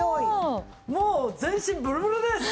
もう全身ブルブルです！